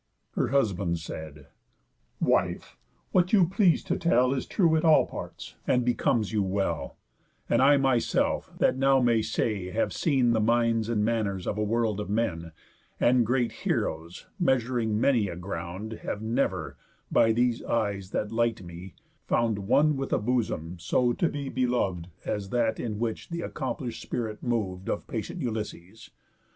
Her husband said: "Wife! what you please to tell Is true at all parts, and becomes you well; And I myself, that now may say have seen The minds and manners of a world of men, And great heroes, measuring many a ground, Have never, by these eyes that light me, found One with a bosom so to be belov'd, As that in which th' accomplish'd spirit mov'd Of patient Ulysses.